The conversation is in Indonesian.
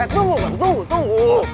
tunggu bang tunggu